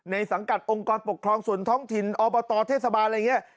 สังกัดองค์กรปกครองส่วนท้องถิ่นอบตเทศบาลอะไรอย่างนี้